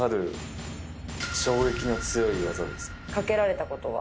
かけられた事は？